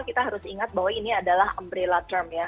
kita harus ingat bahwa ini adalah umbrela term ya